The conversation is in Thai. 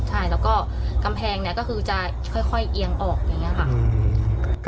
ใช่แล้วก็กำแพงเนี่ยก็คือจะค่อยเอียงออกอย่างนี้ค่ะ